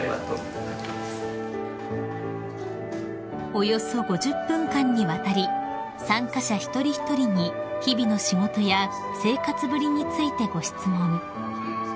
［およそ５０分間にわたり参加者一人一人に日々の仕事や生活ぶりについてご質問］